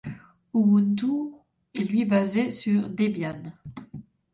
Ubuntu est lui basé sur Debian.